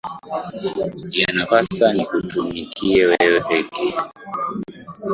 Yanipasa nikutumikie wewe peke.